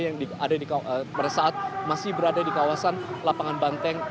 yang pada saat masih berada di kawasan lapangan banteng